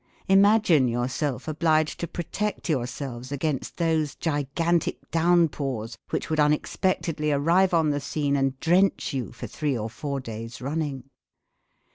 Imagine yourself obliged to protect yourselves against those gigantic downpours which would unexpectedly arrive on the scene and drench you for three or four days running.